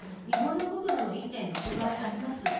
日本の国土の１．６倍あります。